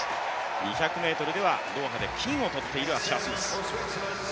２００ｍではドーハで金をとっているアッシャースミス。